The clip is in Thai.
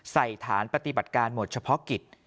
สถานปฏิบัติการหมวดเฉพาะกิจ